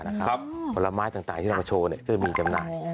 วันละม้ายต่างที่เราจะโชว์ก็จะมีจำหน่าย